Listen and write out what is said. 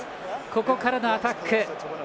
ここからのアタック。